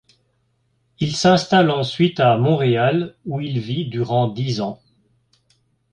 Il s'installe ensuite à Montréal où il vit durant dix ans.